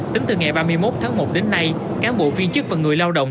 tính từ ngày ba mươi một tháng một đến nay cán bộ viên chức và người lao động